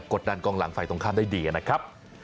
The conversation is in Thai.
จะกดดันกลางหลังอากาศไฟตรงข้างได้ดีนะครับ